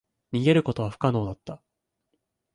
逃げることは不可能だった。